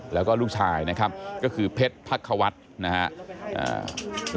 แล้วก็ลูกชายนะครับก็คือเพชรพักควัฒน์นะครับ